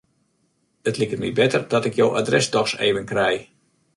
It liket my better dat ik jo adres dochs even krij.